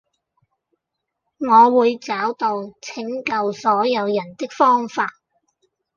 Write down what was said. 我會找到拯救所有人的方法